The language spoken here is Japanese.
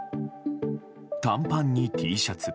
短パンにＴシャツ